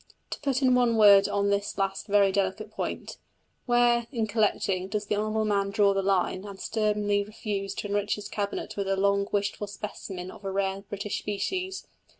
To put in one word on this last very delicate point: Where, in collecting, does the honourable man draw the line, and sternly refuse to enrich his cabinet with a long wished for specimen of a rare British species?